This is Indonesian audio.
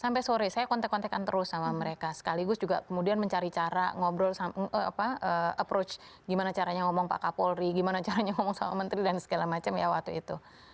sampai sore saya kontek kontekan terus sama mereka sekaligus juga kemudian mencari cara ngobrol sama approach gimana caranya ngomong pak kapolri gimana caranya ngomong sama menteri dan segala macam ya waktu itu